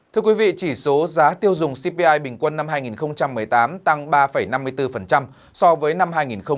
thưa quý vị chỉ số giá tiêu dùng cpi bình quân năm hai nghìn một mươi tám tăng ba năm mươi bốn so với năm hai nghìn một mươi bảy